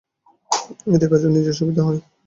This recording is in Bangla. এতে আমার নিজেরও সুবিধা হয়।